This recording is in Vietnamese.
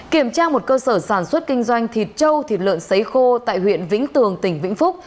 kiểm tra một cơ sở sản xuất kinh doanh thịt trâu thịt lợn xấy khô tại huyện vĩnh tường tỉnh vĩnh phúc